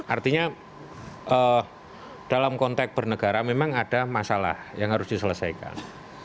artinya dalam konteks bernegara memang ada masalah yang harus diselesaikan